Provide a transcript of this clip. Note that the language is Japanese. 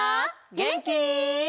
げんき？